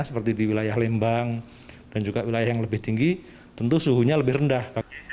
seperti di wilayah lembang dan juga wilayah yang lebih tinggi tentu suhunya lebih rendah